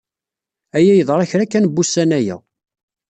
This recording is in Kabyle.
Aya yeḍra kra kan n wussan aya.